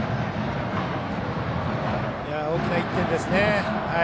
大きな１点ですね。